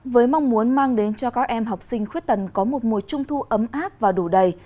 với mong muốn mang đến cho các em học sinh khuyết tần có một mùa trung thu ấm áp và đủ đầy